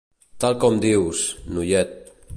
Tal com dius, noiet.